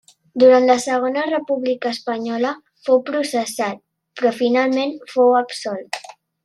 Durant la Segona República Espanyola fou processat, però finalment fou absolt.